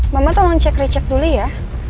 mama tolong cek recek dulu ya